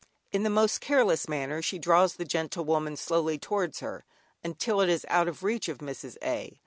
In the most careless manner she draws the "Gentlewoman" slowly towards her, until it is out of reach of Mrs. A.